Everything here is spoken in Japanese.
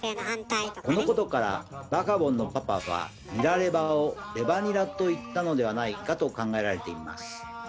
このことからバカボンのパパは「ニラレバ」を「レバニラ」と言ったのではないかと考えられています。